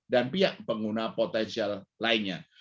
dan pihak pengguna potensial lainnya